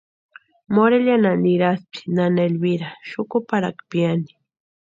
Morelianha niraspti nana Elvira xukuparhakwa piani.